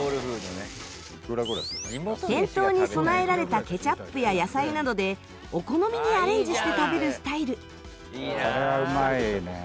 店頭に備えられたケチャップや野菜などでお好みにアレンジして食べるスタイル。